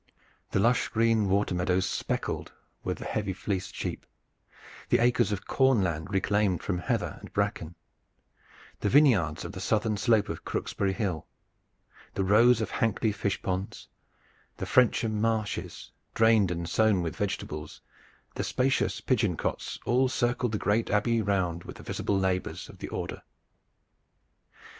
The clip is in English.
The lush green water meadows speckled with the heavy fleeced sheep, the acres of corn land reclaimed from heather and bracken, the vineyards on the southern slope of Crooksbury Hill, the rows of Hankley fish ponds, the Frensham marshes drained and sown with vegetables, the spacious pigeon cotes, all circled the great Abbey round with the visible labors of the Order.